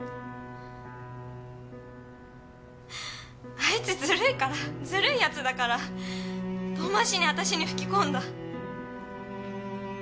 あいつずるいからずるい奴だから遠回しに私に吹き込んだ。